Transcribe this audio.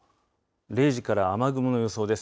０時から雨雲の予想です。